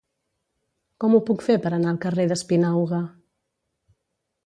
Com ho puc fer per anar al carrer d'Espinauga?